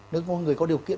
nếu có người có điều kiện